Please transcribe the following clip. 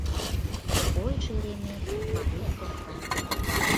— Ой, шеремет, марий соктат...